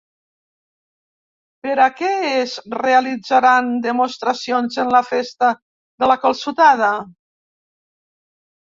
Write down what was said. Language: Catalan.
Per a què es realitzaran demostracions en la Festa de la Calçotada?